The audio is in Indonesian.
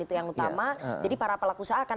itu yang utama jadi para pelaku usaha akan